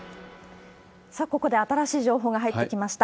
さあ、ここで新しい情報が入ってきました。